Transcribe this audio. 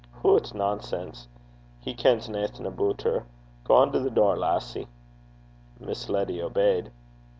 'Hoot! nonsense! He kens naething aboot her. Gang to the door, lassie.' Miss Letty obeyed.